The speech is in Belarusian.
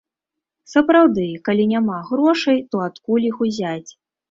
Сапраўды, калі няма грошай, то адкуль іх узяць.